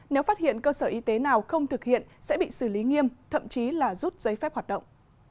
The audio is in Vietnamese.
nếu phát hiện cơ sở y tế nào không thực hiện sẽ bị xử lý nghiêm thậm chí là rút giấy phép hoạt động